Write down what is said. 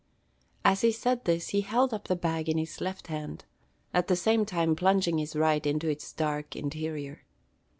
As he said this, he held up the bag in his left hand, at the same time plunging his right into its dark interior.